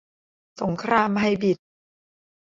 สงครามไฮบริด